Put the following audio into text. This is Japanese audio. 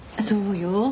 そうよ。